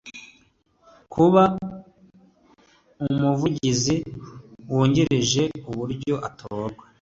kuba umuvugizi wungirije uburyo atorwa